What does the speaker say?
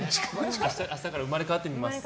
明日から生まれ変わってみます。